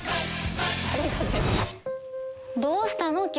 どうしたの？